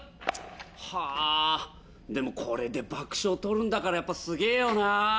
はぁでもこれで爆笑取るんだからやっぱすげぇよな！